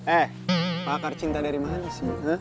eh pakar cinta dari mana sih